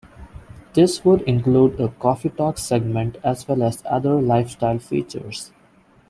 This would include a "coffee talk" segment as well as other lifestyle features.